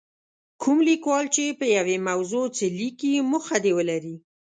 کوم لیکوال چې په یوې موضوع څه لیکي موخه دې ولري.